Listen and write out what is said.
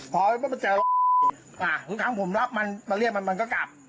พอไม่เคยเห็นและทุบครั้งผมรับมันเรียนมันก็กลับ